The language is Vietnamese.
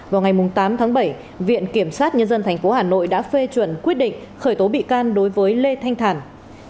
vào ngày tám tháng bảy viện kiểm sát nhân dân tp hà nội đã phê chuẩn quyết định khởi tố bị can đối với lê thanh thản